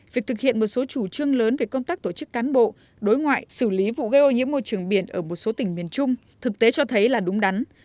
việc thực hiện một số chủ trương lớn về công tác tổ chức cán bộ đối ngoại xử lý vụ gây ô nhiễm môi trường biển ở một số tỉnh miền trung thực tế cho thấy là đúng đắn